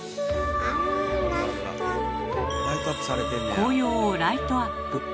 紅葉をライトアップ。